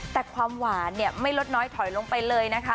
แต่ความหวานเนี่ยไม่ลดน้อยถอยลงไปเลยนะคะ